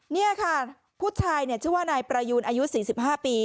นี่ค่ะผู้ชายชื่อว่านายประยูนอายุ๔๕ปี